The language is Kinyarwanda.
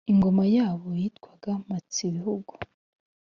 ingoma yabo yitwaga mpatsibihugu